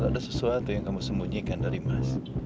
ada sesuatu yang kamu sembunyikan dari mas